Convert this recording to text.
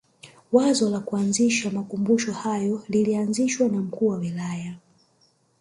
Wazo la kuanzisha makumbusho hayo lilianzishwa na mkuu wa wilaya